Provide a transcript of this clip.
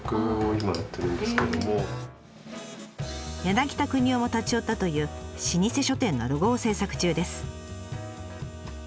柳田国男も立ち寄ったという老舗書店のロゴを制作中です。